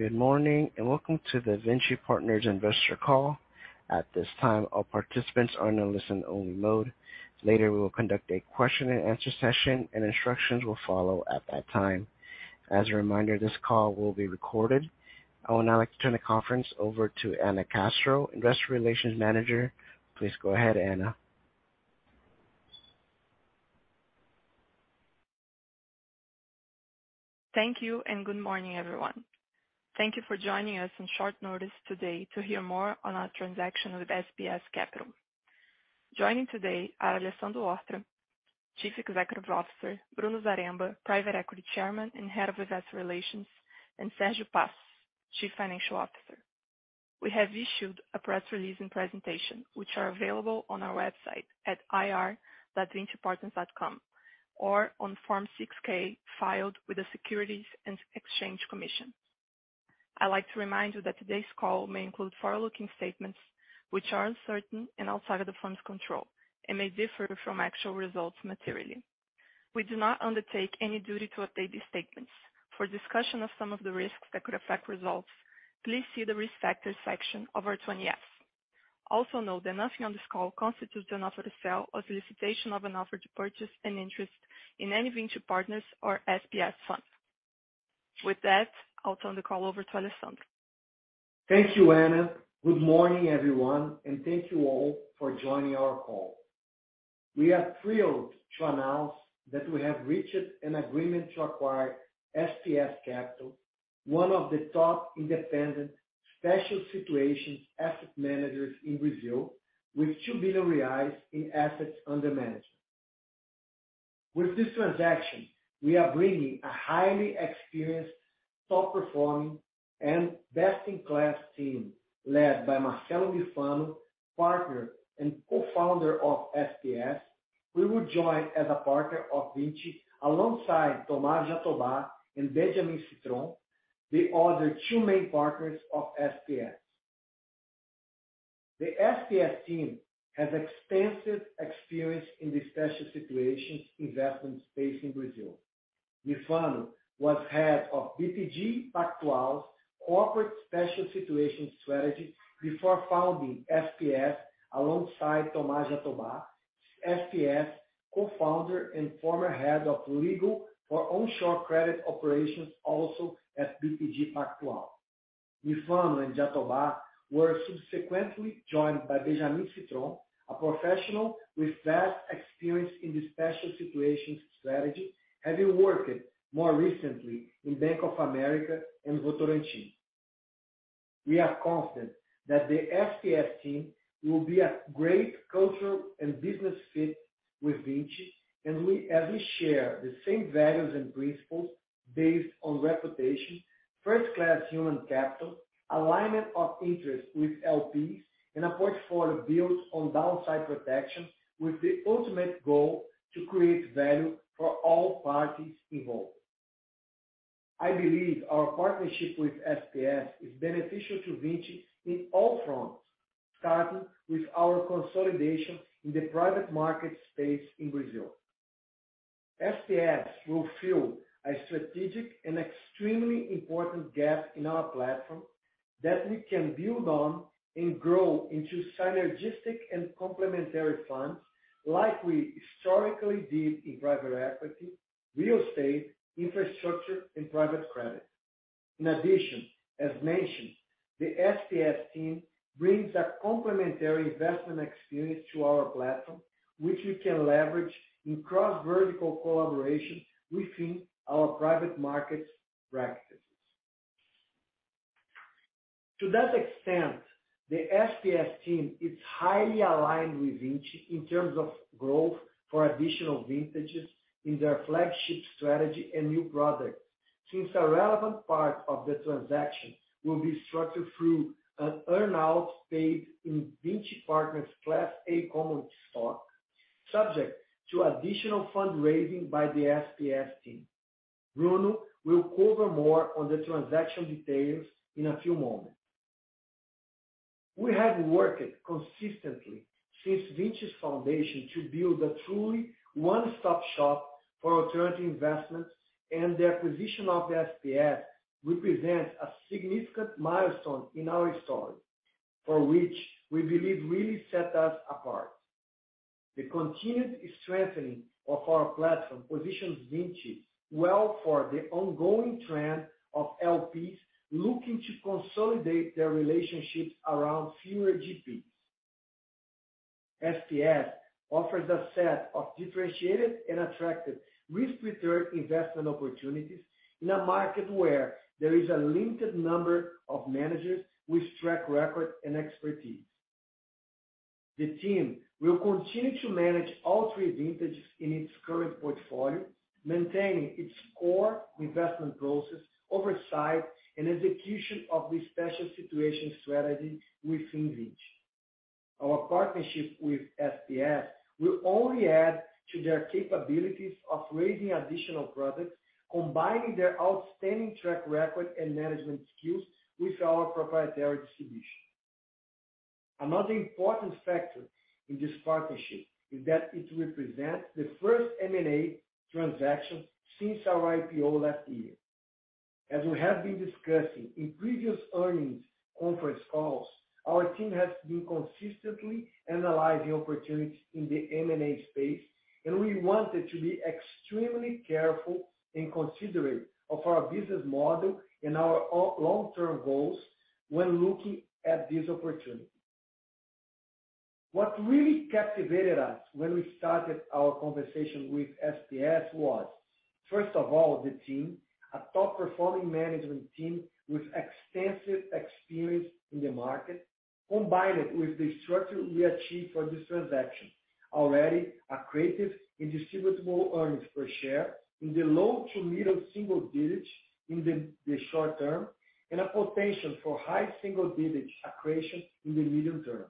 Good morning, and welcome to the Vinci Partners investor call. At this time, all participants are in a listen-only mode. Later, we will conduct a question-and-answer session, and instructions will follow at that time. As a reminder, this call will be recorded. I would now like to turn the conference over to Anna Castro, Investor Relations Manager. Please go ahead, Anna. Thank you, and good morning, everyone. Thank you for joining us on short notice today to hear more on our transaction with SPS Capital. Joining today are Alessandro Horta, Chief Executive Officer; Bruno Zaremba, Private Equity Chairman and Head of Investor Relations; and Sergio Passos, Chief Financial Officer. We have issued a press release and presentation which are available on our website at ir.vincipartners.com or on Form 6-K filed with the Securities and Exchange Commission. I'd like to remind you that today's call may include forward-looking statements which are uncertain and outside of the fund's control and may differ from actual results materially. We do not undertake any duty to update these statements. For discussion of some of the risks that could affect results, please see the Risk Factors section of our 20-F. Also know that nothing on this call constitutes an offer to sell or solicitation of an offer to purchase an interest in any Vinci Partners or SPS fund. With that, I'll turn the call over to Alessandro. Thank you, Anna. Good morning, everyone, and thank you all for joining our call. We are thrilled to announce that we have reached an agreement to acquire SPS Capital, one of the top independent special situations asset managers in Brazil with 2 billion reais in assets under management. With this transaction, we are bringing a highly experienced, top-performing, and best-in-class team led by Marcelo Mifano, Partner and Co-Founder of SPS, who will join as a partner of Vinci alongside Tomás Jatobá and Benjamin Citron, the other two main partners of SPS. The SPS team has extensive experience in the special situations investment space in Brazil. Mifano was head of BTG Pactual's corporate special situations strategy before founding SPS alongside Tomás Jatobá, SPS Co-Founder and former head of legal for onshore credit operations, also at BTG Pactual. Mifano and Jatobá were subsequently joined by Benjamin Citron, a professional with vast experience in the special situations strategy, having worked more recently in Bank of America and Votorantim. We are confident that the SPS team will be a great cultural and business fit with Vinci and we as we share the same values and principles based on reputation, first-class human capital, alignment of interest with LPs, and a portfolio built on downside protection with the ultimate goal to create value for all parties involved. I believe our partnership with SPS is beneficial to Vinci in all fronts, starting with our consolidation in the private market space in Brazil. SPS will fill a strategic and extremely important gap in our platform that we can build on and grow into synergistic and complementary funds like we historically did in private equity, real estate, infrastructure, and private credit. In addition, as mentioned, the SPS team brings a complementary investment experience to our platform, which we can leverage in cross-vertical collaboration within our private markets practices. To that extent, the SPS team is highly aligned with Vinci in terms of growth for additional vintages in their flagship strategy and new products. Since a relevant part of the transaction will be structured through an earn-out paid in Vinci Partners Class A common stock, subject to additional fundraising by the SPS team. Bruno will cover more on the transaction details in a few moments. We have worked consistently since Vinci's foundation to build a truly one-stop shop for alternative investments, and the acquisition of the SPS represents a significant milestone in our story, for which we believe really set us apart. The continued strengthening of our platform positions Vinci well for the ongoing trend of LPs looking to consolidate their relationships around fewer GPs. SPS offers a set of differentiated and attractive risk-return investment opportunities in a market where there is a limited number of managers with track record and expertise. The team will continue to manage all three vintages in its current portfolio, maintaining its core investment process, oversight, and execution of the special situations strategy within Vinci. Our partnership with SPS will only add to their capabilities of raising additional products, combining their outstanding track record and management skills with our proprietary distribution. Another important factor in this partnership is that it represents the first M&A transaction since our IPO last year. As we have been discussing in previous earnings conference calls, our team has been consistently analyzing opportunities in the M&A space, and we wanted to be extremely careful and considerate of our business model and our long-term goals when looking at this opportunity. What really captivated us when we started our conversation with SPS was, first of all, the team, a top performing management team with extensive experience in the market, combined with the structure we achieved for this transaction. Already accretive in distributable earnings per share in the low to middle single digits in the short term, and a potential for high single-digit accretion in the medium term.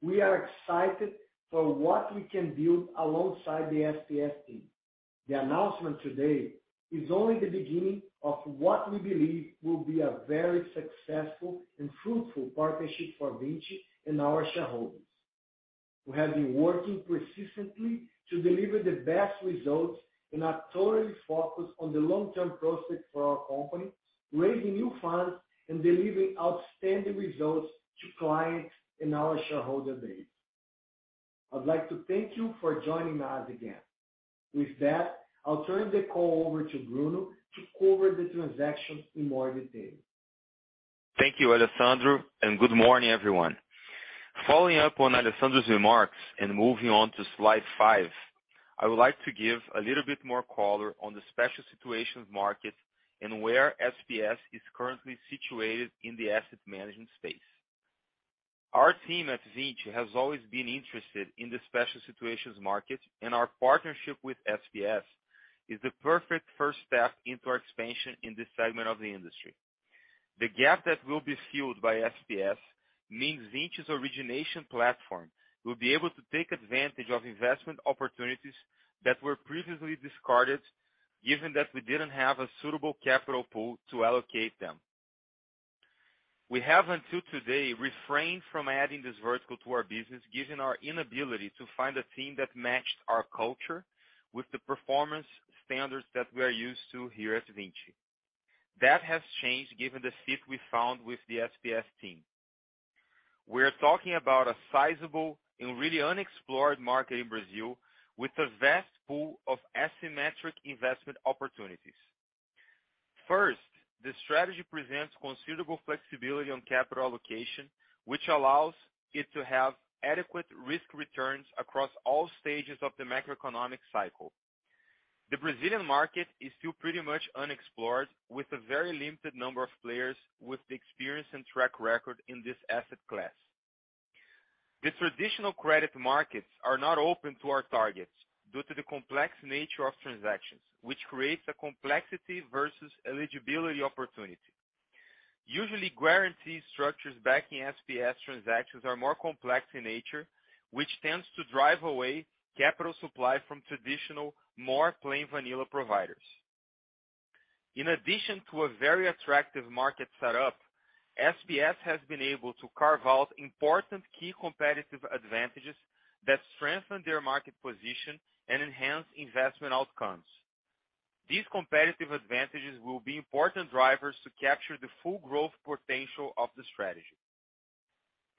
We are excited for what we can build alongside the SPS team. The announcement today is only the beginning of what we believe will be a very successful and fruitful partnership for Vinci and our shareholders, who have been working persistently to deliver the best results and are totally focused on the long-term prospects for our company, raising new funds and delivering outstanding results to clients and our shareholder base. I'd like to thank you for joining us again. With that, I'll turn the call over to Bruno to cover the transaction in more detail. Thank you, Alessandro, and good morning, everyone. Following up on Alessandro's remarks and moving on to slide five, I would like to give a little bit more color on the special situations market and where SPS is currently situated in the asset management space. Our team at Vinci has always been interested in the special situations market, and our partnership with SPS is the perfect first step into our expansion in this segment of the industry. The gap that will be filled by SPS means Vinci's origination platform will be able to take advantage of investment opportunities that were previously discarded, given that we didn't have a suitable capital pool to allocate them. We have until today refrained from adding this vertical to our business, given our inability to find a team that matched our culture with the performance standards that we are used to here at Vinci. That has changed given the fit we found with the SPS team. We are talking about a sizable and really unexplored market in Brazil with a vast pool of asymmetric investment opportunities. First, the strategy presents considerable flexibility on capital allocation, which allows it to have adequate risk returns across all stages of the macroeconomic cycle. The Brazilian market is still pretty much unexplored, with a very limited number of players with the experience and track record in this asset class. The traditional credit markets are not open to our targets due to the complex nature of transactions, which creates a complexity versus eligibility opportunity. Usually, guarantee structures backing SPS transactions are more complex in nature, which tends to drive away capital supply from traditional, more plain vanilla providers. In addition to a very attractive market setup, SPS has been able to carve out important key competitive advantages that strengthen their market position and enhance investment outcomes. These competitive advantages will be important drivers to capture the full growth potential of the strategy.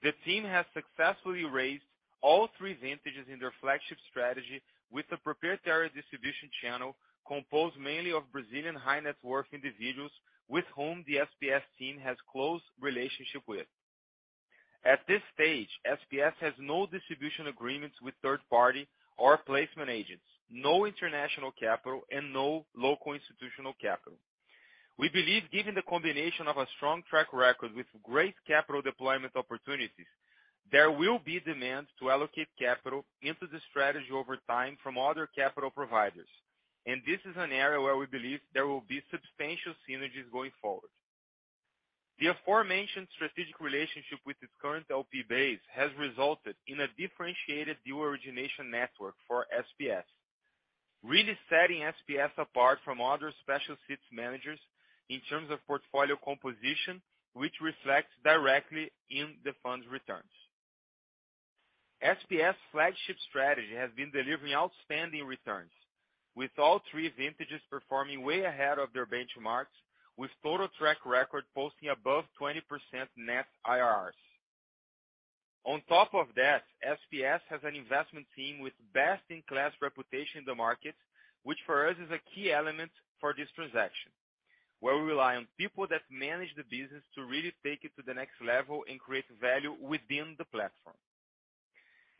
The team has successfully raised all three vintages in their flagship strategy with a proprietary distribution channel composed mainly of Brazilian high-net-worth individuals with whom the SPS team has close relationship with. At this stage, SPS has no distribution agreements with third party or placement agents, no international capital, and no local institutional capital. We believe, given the combination of a strong track record with great capital deployment opportunities, there will be demand to allocate capital into the strategy over time from other capital providers, and this is an area where we believe there will be substantial synergies going forward. The aforementioned strategic relationship with its current LP base has resulted in a differentiated deal origination network for SPS, really setting SPS apart from other special situations managers in terms of portfolio composition, which reflects directly in the fund's returns. SPS flagship strategy has been delivering outstanding returns, with all three vintages performing way ahead of their benchmarks, with total track record posting above 20% net IRRs. On top of that, SPS has an investment team with best-in-class reputation in the market, which for us is a key element for this transaction, where we rely on people that manage the business to really take it to the next level and create value within the platform.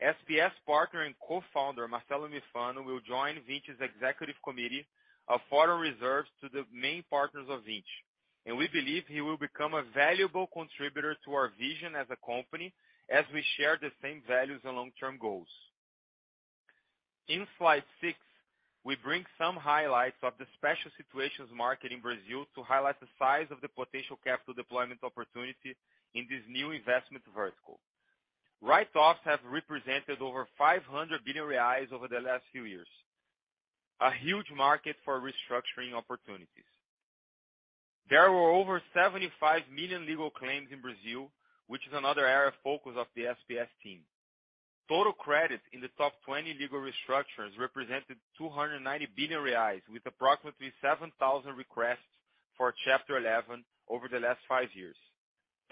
SPS Partner and Co-Founder, Marcelo Mifano, will join Vinci's executive committee, a forum reserved to the main partners of Vinci. We believe he will become a valuable contributor to our vision as a company as we share the same values and long-term goals. In slide six, we bring some highlights of the special situations market in Brazil to highlight the size of the potential capital deployment opportunity in this new investment vertical. Write-offs have represented over 500 billion reais over the last few years, a huge market for restructuring opportunities. There were over 75 million legal claims in Brazil, which is another area of focus of the SPS team. Total credit in the top 20 legal restructures represented 290 billion reais, with approximately 7,000 requests for Chapter 11 over the last five years.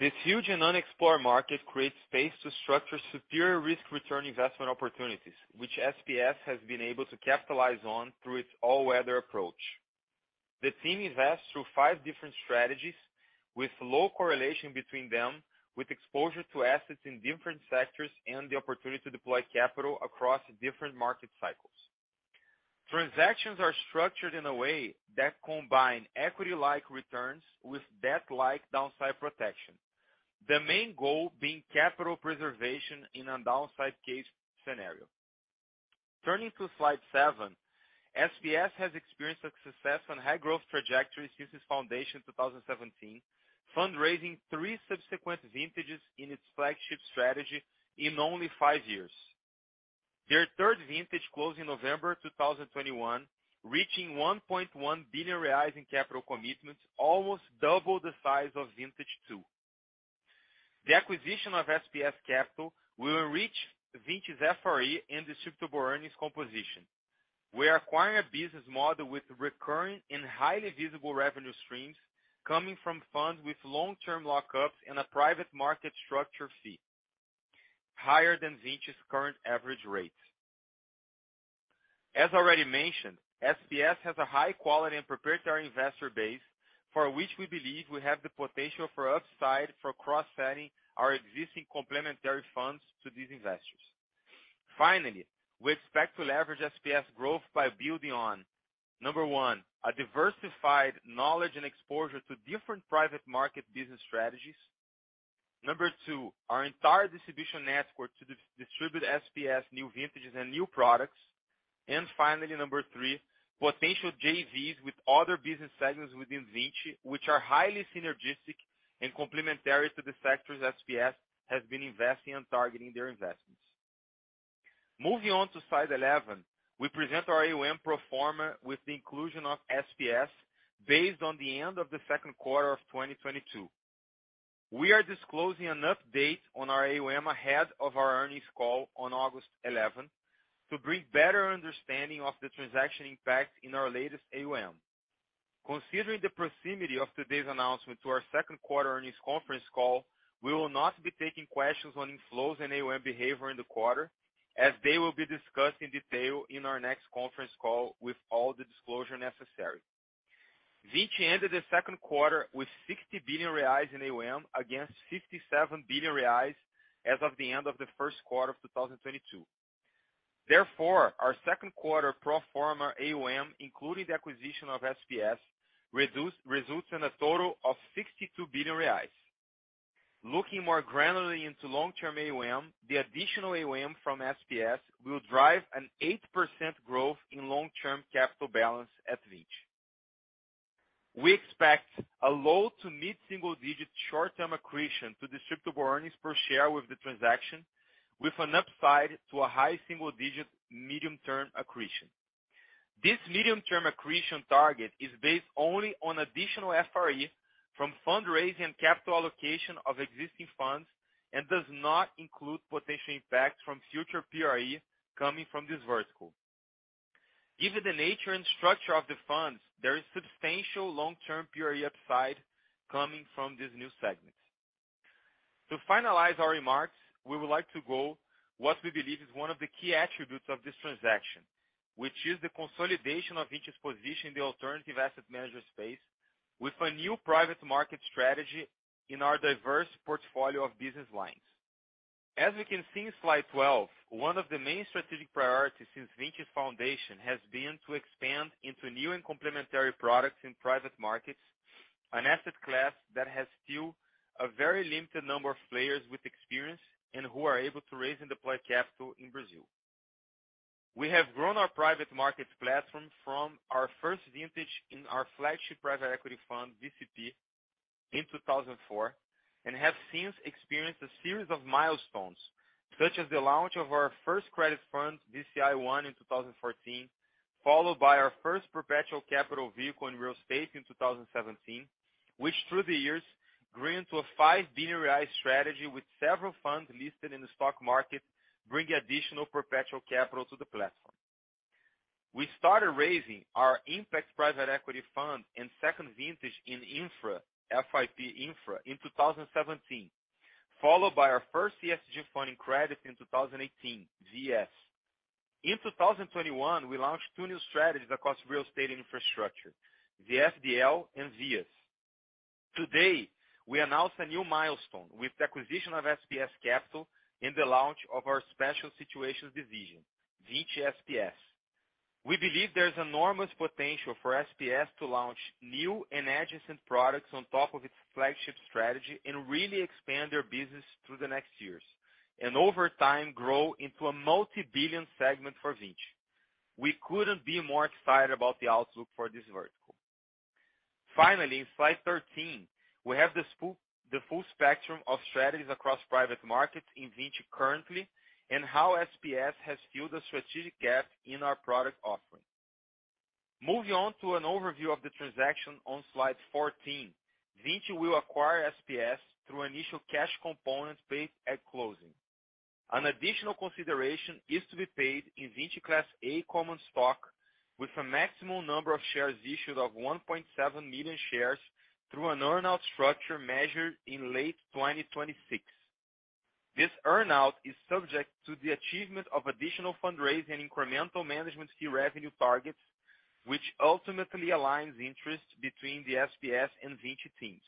This huge and unexplored market creates space to structure superior risk return investment opportunities, which SPS has been able to capitalize on through its all-weather approach. The team invests through five different strategies with low correlation between them, with exposure to assets in different sectors and the opportunity to deploy capital across different market cycles. Transactions are structured in a way that combine equity-like returns with debt-like downside protection. The main goal being capital preservation in a downside case scenario. Turning to slide seven, SPS has experienced success on high growth trajectories since its foundation in 2017, fundraising three subsequent vintages in its flagship strategy in only five years. Their third vintage closed in November 2021, reaching 1.1 billion reais in capital commitments, almost double the size of Vintage II. The acquisition of SPS Capital will enrich Vinci's FRE and distributable earnings composition. We are acquiring a business model with recurring and highly visible revenue streams coming from funds with long-term lockups and a private market structure fee higher than Vinci's current average rates. As already mentioned, SPS has a high quality and proprietary investor base for which we believe we have the potential for upside for cross-selling our existing complementary funds to these investors. Finally, we expect to leverage SPS growth by building on, number one, a diversified knowledge and exposure to different private market business strategies. Number two, our entire distribution network to distribute SPS new vintages and new products. Finally, number three, potential JVs with other business segments within Vinci, which are highly synergistic and complementary to the sectors SPS has been investing in targeting their investments. Moving on to slide 11, we present our AUM pro forma with the inclusion of SPS based on the end of the second quarter of 2022. We are disclosing an update on our AUM ahead of our earnings call on August 11 to bring better understanding of the transaction impact in our latest AUM. Considering the proximity of today's announcement to our second quarter earnings conference call, we will not be taking questions on inflows and AUM behavior in the quarter as they will be discussed in detail in our next conference call with all the disclosure necessary. Vinci ended the second quarter with 60 billion reais in AUM against 57 billion reais as of the end of the first quarter of 2022. Therefore, our second quarter pro forma AUM, including the acquisition of SPS, results in a total of 62 billion reais. Looking more granularly into long-term AUM, the additional AUM from SPS will drive an 8% growth in long-term capital balance at Vinci. We expect a low to mid-single-digit short-term accretion to distributable earnings per share with the transaction, with an upside to a high-single-digit medium-term accretion. This medium-term accretion target is based only on additional FRE from fundraising and capital allocation of existing funds, and does not include potential impacts from future PRE coming from this vertical. Given the nature and structure of the funds, there is substantial long-term PRE upside coming from this new segment. To finalize our remarks, we would like to go over what we believe is one of the key attributes of this transaction, which is the consolidation of Vinci's position in the alternative asset management space with a new private market strategy in our diverse portfolio of business lines. As we can see in slide 12, one of the main strategic priorities since Vinci's foundation has been to expand into new and complementary products in private markets, an asset class that has still a very limited number of players with experience and who are able to raise and deploy capital in Brazil. We have grown our private market platform from our first vintage in our flagship private equity fund, VCP, in 2004, and have since experienced a series of milestones, such as the launch of our first credit fund, VCI I, in 2014. Followed by our first perpetual capital vehicle in real estate in 2017, which through the years grew into a 5 billion strategy with several funds listed in the stock market, bringing additional perpetual capital to the platform. We started raising our impact private equity fund and second vintage in Infra, FIP Infra, in 2017, followed by our first ESG fund in credit in 2018, VCS. In 2021, we launched two new strategies across real estate and infrastructure, VFDL and VIAS. Today, we announce a new milestone with the acquisition of SPS Capital and the launch of our special situations division, Vinci SPS. We believe there's enormous potential for SPS to launch new and adjacent products on top of its flagship strategy and really expand their business through the next years. Over time, grow into a multi-billion segment for Vinci. We couldn't be more excited about the outlook for this vertical. Finally, in slide 13, we have the full spectrum of strategies across private markets in Vinci currently and how SPS has filled a strategic gap in our product offering. Moving on to an overview of the transaction on slide 14. Vinci will acquire SPS through initial cash component paid at closing. An additional consideration is to be paid in Vinci Class A common stock with a maximum number of shares issued of 1.7 million shares through an earn-out structure measured in late 2026. This earn-out is subject to the achievement of additional fundraising incremental management fee revenue targets, which ultimately aligns interest between the SPS and Vinci teams.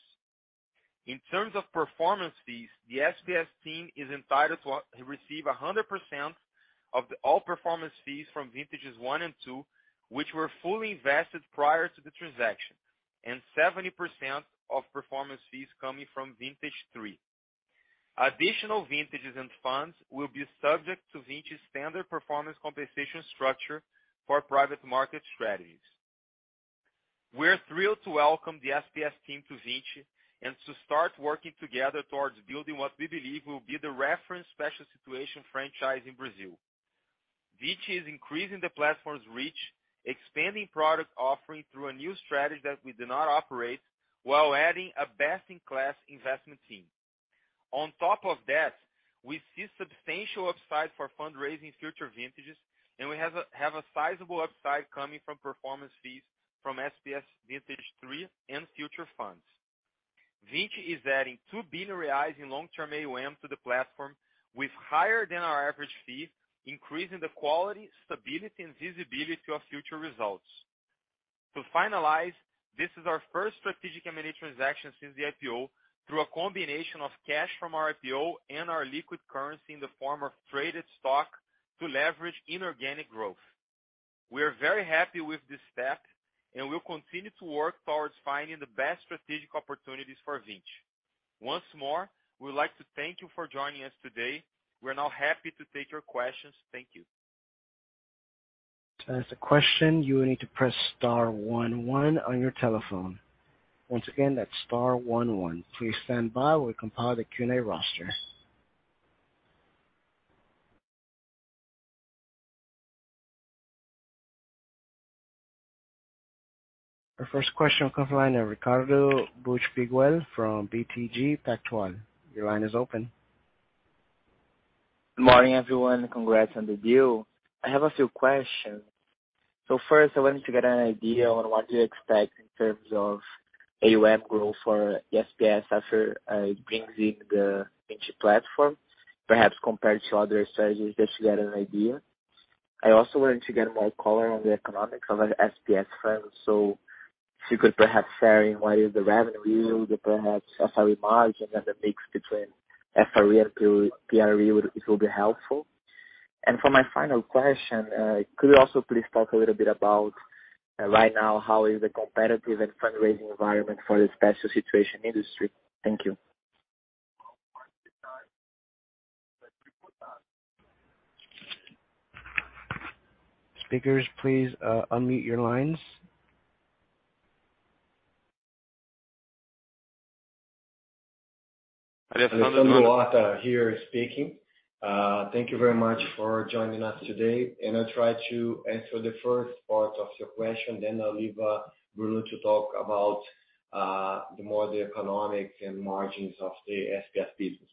In terms of performance fees, the SPS team is entitled to receive 100% of all performance fees from Vintages I and II, which were fully invested prior to the transaction, and 70% of performance fees coming from Vintage III. Additional vintages and funds will be subject to Vinci's standard performance compensation structure for private market strategies. We're thrilled to welcome the SPS team to Vinci and to start working together towards building what we believe will be the reference special situations franchise in Brazil. Vinci is increasing the platform's reach, expanding product offering through a new strategy that we do not operate while adding a best-in-class investment team. On top of that, we see substantial upside for fundraising future vintages, and we have a sizable upside coming from performance fees from SPS Vintage III and future funds. Vinci is adding 2 billion reais in long term AUM to the platform with higher than our average fee, increasing the quality, stability and visibility of future results. To finalize, this is our first strategic M&A transaction since the IPO through a combination of cash from our IPO and our liquid currency in the form of traded stock to leverage inorganic growth. We are very happy with this step and we'll continue to work towards finding the best strategic opportunities for Vinci. Once more, we would like to thank you for joining us today. We're now happy to take your questions. Thank you. To ask a question you will need to press star one one on your telephone. Once again, that's star one one. Please stand by while we compile the Q&A roster. Our first question comes from Ricardo Buchpiguel from BTG Pactual. Your line is open. Morning, everyone. Congrats on the deal. I have a few questions. First, I wanted to get an idea on what to expect in terms of AUM growth for the SPS after it brings in the Vinci platform, perhaps compared to other strategies, just to get an idea. I also wanted to get more color on the economics of SPS funds. If you could perhaps share what is the revenue yield, perhaps EBITDA margin and the mix between FRE and PRE, it will be helpful. For my final question, could you also please talk a little bit about right now how is the competitive and fundraising environment for the special situations industry? Thank you. Speakers, please, unmute your lines. This is Alessandro Horta here speaking. Thank you very much for joining us today. I'll try to answer the first part of your question, then I'll leave Bruno to talk about more the economics and margins of the SPS business.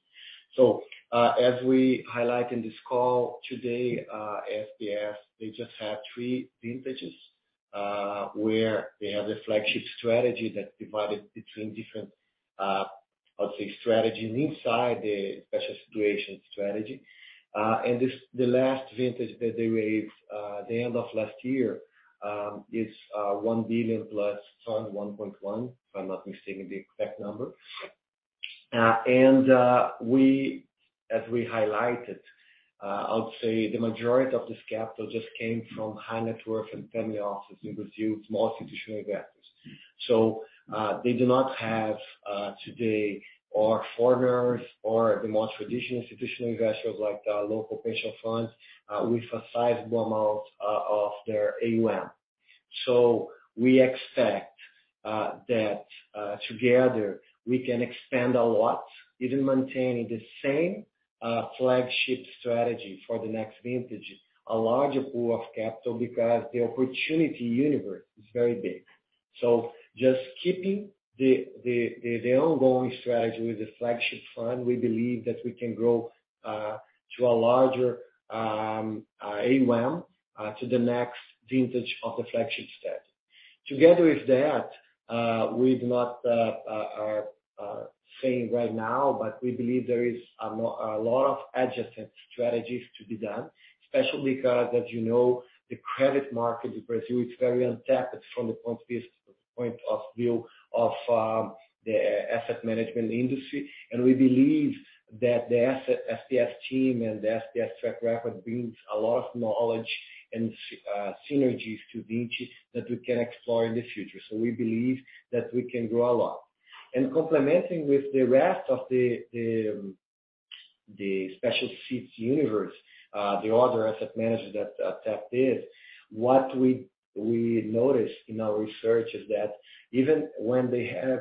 As we highlight in this call today, SPS, they just have three vintages where they have the flagship strategy that's divided between different, I'll say strategies inside the special situations strategy. The last vintage that they raised, the end of last year, is 1 billion+, 1.1 million, if I'm not mistaken, the exact number. We, as we highlighted, I would say the majority of this capital just came from high net worth and family offices in Brazil, small institutional investors. They do not have, today, or foreigners, or the more traditional institutional investors like the local pension funds with a sizable amount of their AUM. We expect that together we can expand a lot, even maintaining the same flagship strategy for the next vintage, a larger pool of capital because the opportunity universe is very big. Just keeping the ongoing strategy with the flagship fund, we believe that we can grow to a larger AUM to the next vintage of the flagship strategy. Together with that, we are not saying right now, but we believe there is a lot of adjacent strategies to be done, especially because as you know, the credit market in Brazil is very untapped from the point of view of the asset management industry. We believe that the SPS team and the SPS track record brings a lot of knowledge and synergies to Vinci that we can explore in the future. We believe that we can grow a lot. And complementing with the rest of the special situations universe, the other asset managers that tap into this, what we notice in our research is that even when they have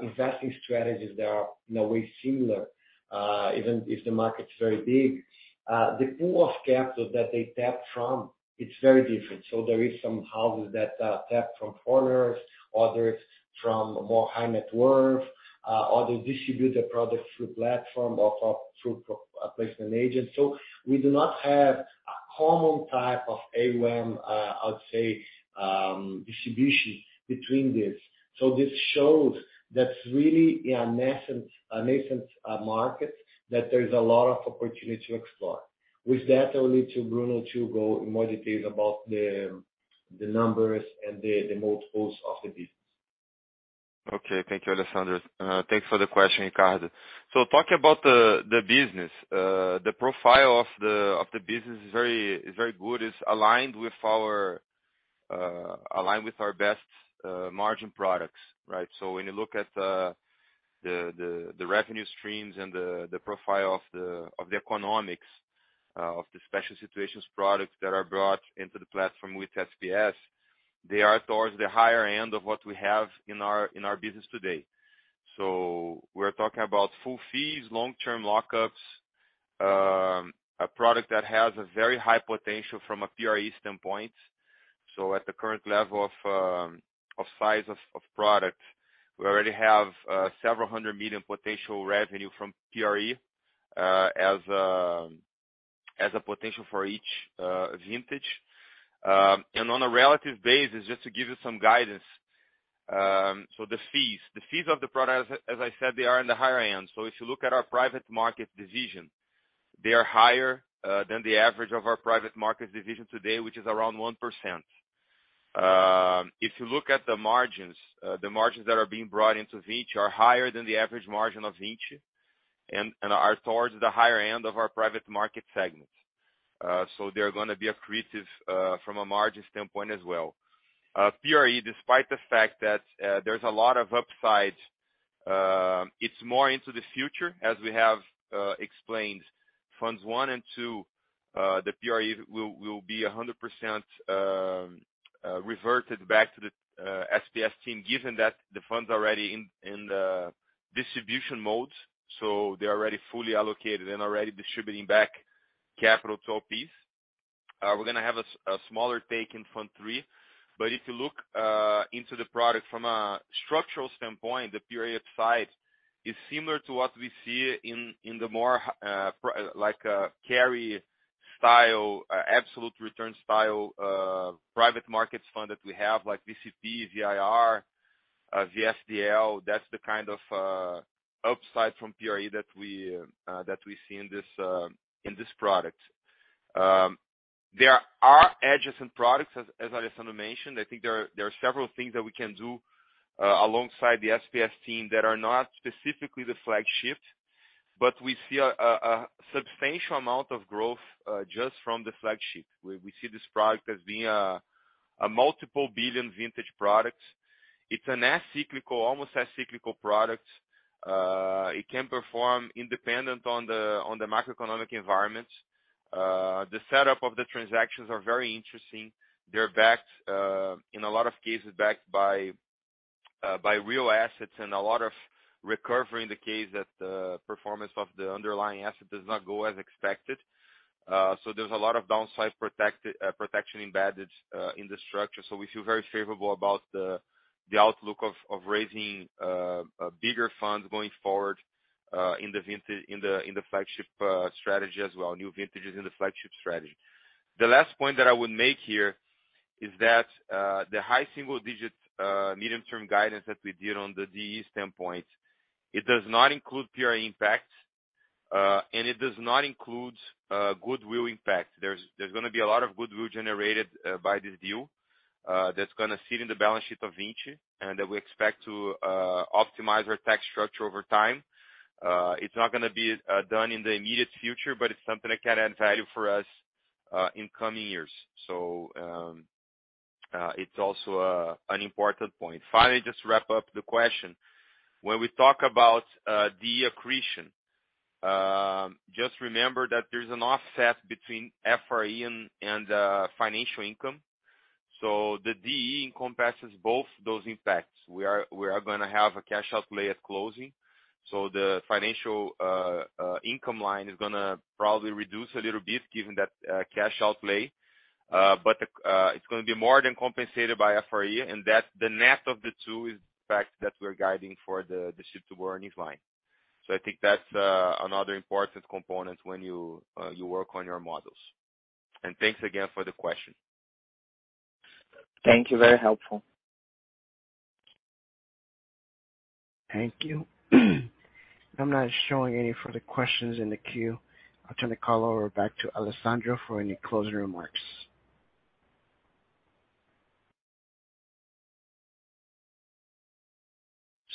investing strategies that are in a way similar, even if the market's very big, the pool of capital that they tap from, it's very different. There is some houses that tap from corporates, others from more high net worth, others distribute the product through platform or through placement agent. We do not have a common type of AUM, I would say, distribution between this. This shows that's really a nascent market that there's a lot of opportunity to explore. With that, I'll leave to Bruno to go into more detail about the numbers and the multiples of the business. Okay. Thank you, Alessandro. Thanks for the question, Ricardo. Talking about the business, the profile of the business is very good, is aligned with our best margin products, right? When you look at the revenue streams and the profile of the economics of the special situations products that are brought into the platform with SPS, they are towards the higher end of what we have in our business today. We're talking about full fees, long-term lockups, a product that has a very high potential from a PRE standpoint. At the current level of size of product, we already have several hundred million potential revenue from PRE, as a potential for each vintage. On a relative basis, just to give you some guidance, the fees. The fees of the product, as I said, they are in the higher end. If you look at our private market division, they are higher than the average of our private market division today, which is around 1%. If you look at the margins, the margins that are being brought into Vinci are higher than the average margin of Vinci and are towards the higher end of our private market segment. They're gonna be accretive from a margin standpoint as well. PRE, despite the fact that there's a lot of upside, it's more into the future. As we have explained funds one and two, the PRE will be 100% reverted back to the SPS team given that the funds are already in the distribution modes, so they're already fully allocated and already distributing back capital to LPs. We're gonna have a smaller take in fund 3. If you look into the product from a structural standpoint, the PRE side is similar to what we see in the more like a carry style, absolute return style private markets fund that we have, like VCP, VIR, VFDL. That's the kind of upside from PRE that we see in this product. There are adjacent products as Alessandro mentioned. I think there are several things that we can do alongside the SPS team that are not specifically the flagship, but we see a substantial amount of growth just from the flagship. We see this product as being a multiple billion vintage product. It's a-cyclical, almost a-cyclical product. It can perform independently of the macroeconomic environment. The setup of the transactions are very interesting. They're backed in a lot of cases by real assets and a lot of recovery in the case that the performance of the underlying asset does not go as expected. There's a lot of downside protection embedded in the structure. We feel very favorable about the outlook of raising a bigger fund going forward in the vintage. In the flagship strategy as well, new vintages in the flagship strategy. The last point that I would make here is that the high single-digit medium-term guidance that we did on the DE standpoint does not include PRE impact, and it does not include goodwill impact. There's gonna be a lot of goodwill generated by this deal that's gonna sit in the balance sheet of Vinci and that we expect to optimize our tax structure over time. It's not gonna be done in the immediate future, but it's something that can add value for us in coming years. It's also an important point. Finally, just to wrap up the question. When we talk about DE accretion, just remember that there's an offset between FRE and financial income. The DE encompasses both those impacts. We gonna have a cash outlay at closing, so the financial income line is gonna probably reduce a little bit given that cash outlay. It's gonna be more than compensated by FRE, and that the net of the two is the fact that we're guiding for the distributable earnings line. I think that's another important component when you work on your models. Thanks again for the question. Thank you. Very helpful. Thank you. I'm not showing any further questions in the queue. I'll turn the call over back to Alessandro for any closing remarks.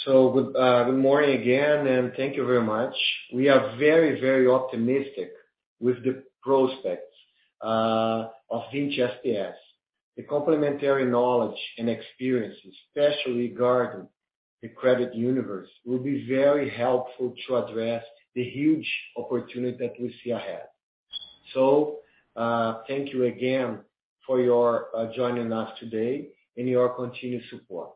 Good morning again, and thank you very much. We are very, very optimistic with the prospects of Vinci SPS. The complementary knowledge and experience, especially regarding the credit universe, will be very helpful to address the huge opportunity that we see ahead. Thank you again for your joining us today and your continued support.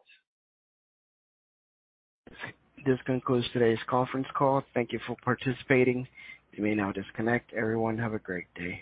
This concludes today's conference call. Thank you for participating. You may now disconnect. Everyone, have a great day.